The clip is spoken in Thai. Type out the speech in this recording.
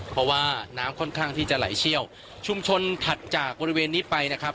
เพราะว่าน้ำค่อนข้างที่จะไหลเชี่ยวชุมชนถัดจากบริเวณนี้ไปนะครับ